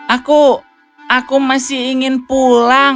aku aku masih ingin pulang